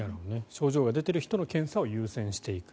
症状が出ている人の検査を優先していく。